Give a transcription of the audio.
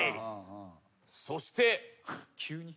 そして。